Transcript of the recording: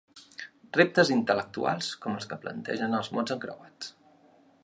Reptes intel·lectuals com els que plantegen els mots encreuats.